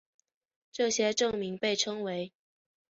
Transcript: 这些证明被称为。